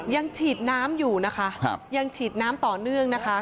ยังฉีดน้ำต่อเนื่อง